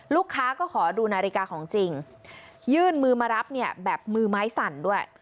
ลูกค้าก็ขอดูนาฬิกาของจริงยื่นมือมารับเนี่ยแบบมือไม้สั่นด้วย